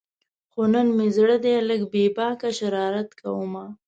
خو نن مې زړه دی لږ بې باکه شرارت کومه